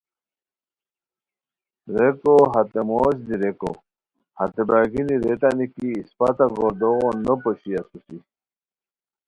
ریکو ہتے موش دی ریکو، ہتے برار گینی ریتانی کی اسپہ تہ گوردوغو نوپوشی اسوسی